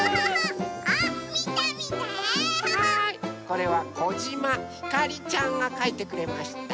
これはこじまひかりちゃんがかいてくれました。